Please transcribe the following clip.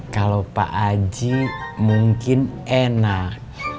kalau pak aji mungkin enak